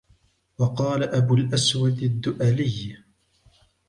وَقَالَ أَبُو الْأَسْوَدِ الدُّؤَلِيُّ